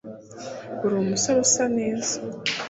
Uri umusore usa neza